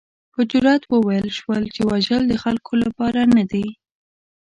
په جرات وویل شول چې وژل د خلکو لپاره نه دي.